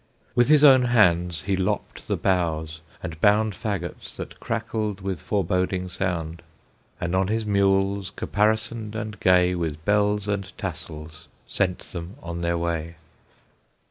With his own hands he lopped the boughs and bound Fagots, that crackled with foreboding sound, And on his mules, caparisoned and gay With bells and tassels, sent them on their way.